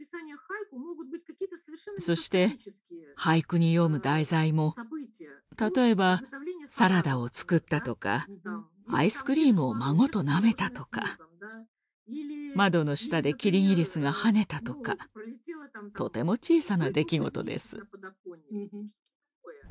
そして俳句に詠む題材も例えばサラダを作ったとかアイスクリームを孫となめたとか窓の下でキリギリスが跳ねたとかとても小さな出来事です。